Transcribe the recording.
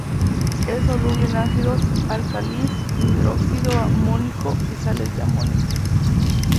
Es soluble en ácidos, álcalis, hidróxido amónico y sales de amonio.